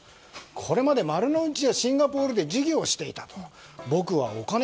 これまで丸の内やシンガポールで事業をしていたと。